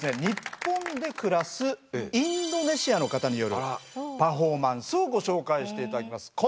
日本で暮らすインドネシアの方によるパフォーマンスをご紹介して頂きます。